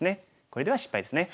これでは失敗ですね。